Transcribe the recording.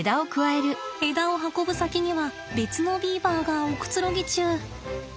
枝を運ぶ先には別のビーバーがおくつろぎ中。